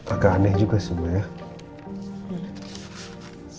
agak aneh juga semua ya